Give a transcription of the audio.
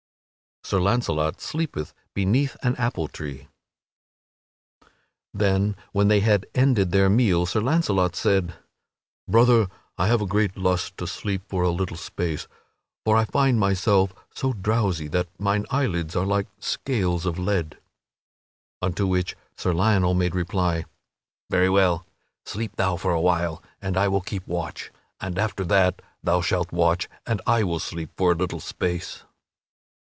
[Sidenote: Sir Launcelot sleepeth beneath an apple tree] Then when they had ended their meal Sir Launcelot said: "Brother, I have a great lust to sleep for a little space, for I find myself so drowsy that mine eyelids are like scales of lead." Unto which Sir Lionel made reply: "Very well; sleep thou for a while, and I will keep watch, and after that thou shalt watch, and I will sleep for a little space."